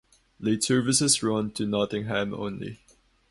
Late services run to Nottingham only.